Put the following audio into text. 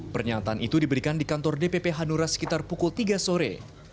pernyataan itu diberikan di kantor dpp hanura sekitar pukul tiga sore